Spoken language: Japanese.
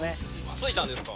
着いたんですか？